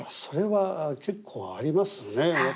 それは結構ありますね。